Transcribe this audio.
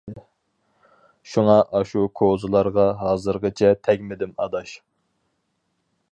شۇڭا ئاشۇ كوزىلارغا ھازىرغىچە تەگمىدىم ئاداش.